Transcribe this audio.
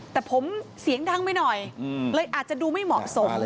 แต่ผมเสียงดังไปหน่อยเลยอาจจะดูไม่เหมาะสม